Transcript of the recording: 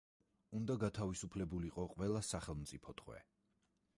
უნდა გათავისუფლებულიყო ყველა სახელმწიფო ტყვე.